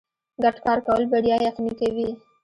ګډ کار کول بریا یقیني کوي.